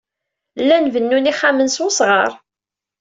Llan bennun ixxamen s wesɣar.